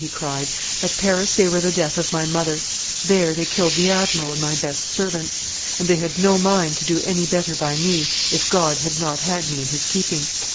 he cried; "at Paris they were the death of my mother; there they killed the admiral and my best servants; and they had no mind to do any better by me, if God had not had me in his keeping.